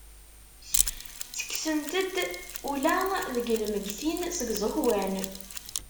Ttekksent-d ula d lmeyytin seg iẓekwan.